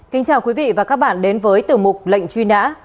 kính chào quý vị và các bạn đến với tiểu mục lệnh truy nã